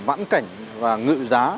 và vãn cảnh và ngự giá